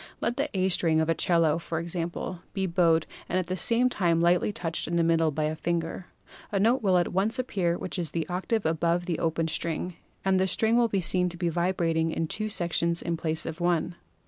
Let the A string of a 'cello, for example, be bowed and at the same time lightly touched in the middle by a finger. A note will at once appear which is the octave above the open string, and the string will be seen to be vibrating in two sections in place of one.